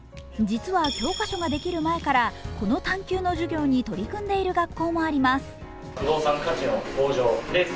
実は教科書ができる前から、この探究の授業に取り組んでいる学校もあります。